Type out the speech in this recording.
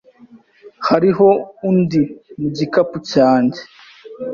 Hariho undi mu gikapu cyanjye.